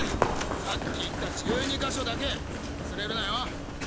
さっき言った１２ヶ所だけ忘れるなよ！